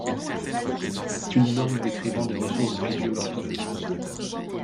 C'est une norme décrivant des ressources bibliographiques.